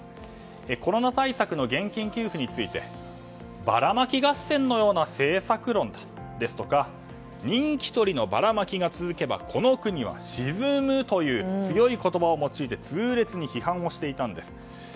コロナ対策の現金給付についてバラマキ合戦のような政策論ですとか人気取りのバラマキが続けばこの国は沈むという強い言葉を用いて痛烈に批判していたんです。